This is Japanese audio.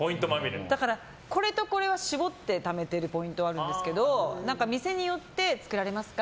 だから、これとこれはと絞ってためているものはありますけど店によって作られますか？